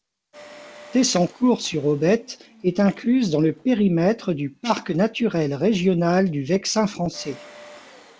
Tessancourt-sur-Aubette est incluse dans le périmètre du Parc naturel régional du Vexin français.